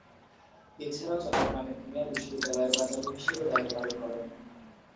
এছাড়াও, চট্টগ্রামের প্রিমিয়ার বিশ্ববিদ্যালয়ের উপাচার্য হিসেবেও দায়িত্ব পালন করেন।